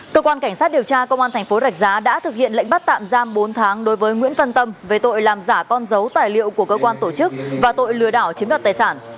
cơ quan cảnh sát điều tra công an thành phố rạch giá đã thực hiện lệnh bắt tạm giam bốn tháng đối với nguyễn văn tâm về tội làm giả con dấu tài liệu của cơ quan tổ chức và tội lừa đảo chiếm đoạt tài sản